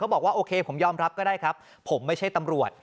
บอกว่าโอเคผมยอมรับก็ได้ครับผมไม่ใช่ตำรวจ